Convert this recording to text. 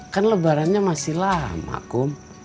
kan lebarannya masih lama kum